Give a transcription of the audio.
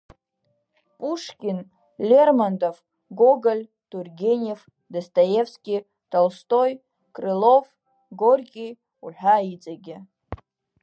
Пушкин, Лермонтов, Гоголь, Тургенев, Достоевски, Толстои, Крылов, Горки уҳәа иҵегьы.